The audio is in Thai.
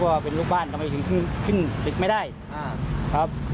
ว่าเป็นลูกบ้านทำไมถึงขึ้นตึกไม่ได้ครับ